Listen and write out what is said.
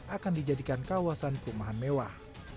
akan dijadikan kawasan perumahan mewah